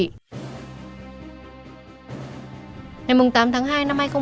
đối với quý tại bệnh viện tâm thần trung ương